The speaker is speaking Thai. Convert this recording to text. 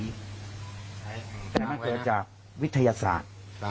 แต่มันเกิดจากวิทยาศาสตร์